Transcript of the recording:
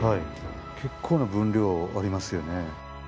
結構な分量ありますよね。